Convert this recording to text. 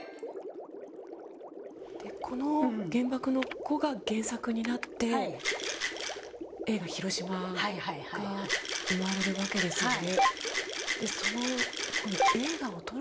この「原爆の子」が原作になって映画「ひろしま」が生まれるわけですよね。